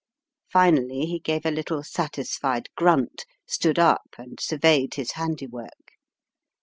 Finally he gave a little satisfied grunt, stood up, and surveyed his handiwork.